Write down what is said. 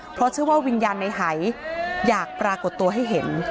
เพราะเชื่อว่าวิญญาณในหายอยากปรากฏตัวให้เห็น